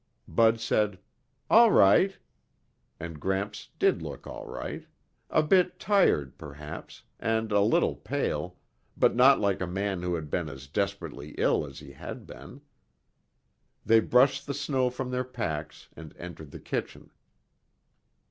Bud said, "All right," and Gramps did look all right a bit tired, perhaps, and a little pale, but not like a man who had been as desperately ill as he had been. They brushed the snow from their pacs and entered the kitchen.